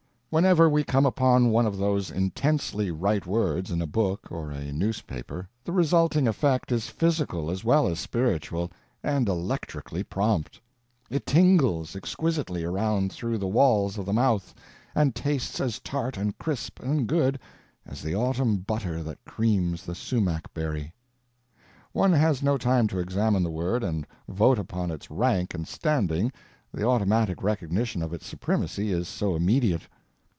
Whenever we come upon one of those intensely right words in a book or a newspaper the resulting effect is physical as well as spiritual, and electrically prompt: it tingles exquisitely around through the walls of the mouth and tastes as tart and crisp and good as the autumn butter that creams the sumac berry. One has no time to examine the word and vote upon its rank and standing, the automatic recognition of its supremacy is so immediate.